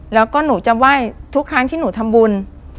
แล้วก็หนูจะไหว้ทุกครั้งที่หนูทำบุญ